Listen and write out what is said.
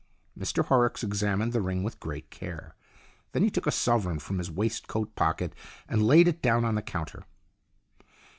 Mr Horrocks examined the ring with great care. Then he took a sovereign from his waistcoat pocket and laid it down on the counter.